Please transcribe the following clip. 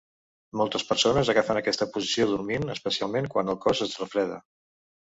Moltes persones agafen aquesta posició dormint, especialment quan el cos es refreda.